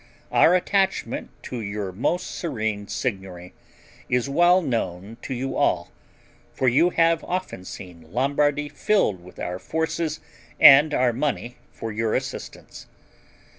Our attachment to your most serene Signory is well known to you all, for you have often seen Lombardy filled with our forces and our money for your assistance.